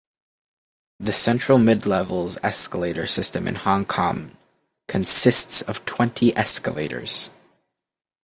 The Central-Midlevels escalator system in Hong Kong consists of twenty escalators.